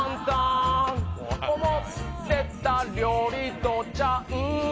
思ってた料理とちゃう。